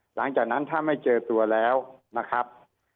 หลังจากนั้นถ้าไม่เจอตัวแล้วนะครับ